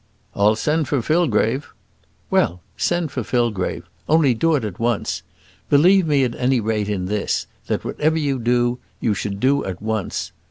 "I'll send for Fillgrave " "Well, send for Fillgrave, only do it at once. Believe me at any rate in this, that whatever you do, you should do at once.